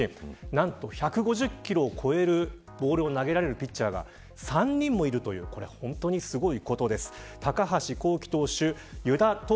何と１５０キロを超えるボールを投げられるピッチャーが３人もいるというこれは本当にすごいことです。